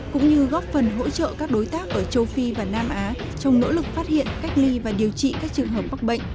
cũng như góp phần hỗ trợ các đối tác ở châu phi và nam á trong nỗ lực phát hiện cách ly và điều trị các trường hợp mắc bệnh